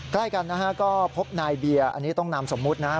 ใกล้กันนะฮะก็พบนายเบียร์อันนี้ต้องนามสมมุตินะครับ